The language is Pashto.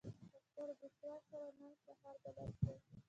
ډاکټره بشرا سره نن سهار بلد شوم.